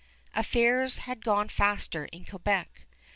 Affairs had gone faster in Quebec.